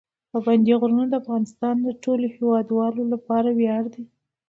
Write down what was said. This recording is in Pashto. پابندي غرونه د افغانستان د ټولو هیوادوالو لپاره ویاړ دی.